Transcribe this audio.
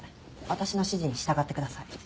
私の指示に従ってください。